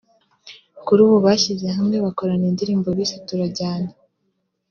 kuri ubu bashyize hamwe bakorana indirimbo bise “Turajyanye“